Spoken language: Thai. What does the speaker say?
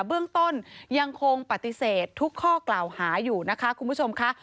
เบื้องต้นยังคงปฏิเสธทุกข้อกล่าวหาอยู่นะคะคุณผู้ชมค่ะ